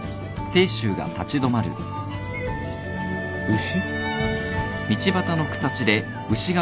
・牛？